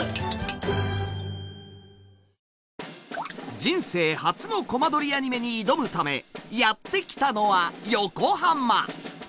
人生初のコマ撮りアニメに挑むためやってきたのは横浜！